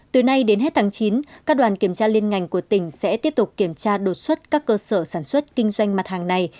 từ nay đến hết tháng chín các đoàn kiểm tra liên ngành của tỉnh sẽ tiếp tục kiểm tra đột xuất các cơ sở sản xuất kinh doanh mặt hàng này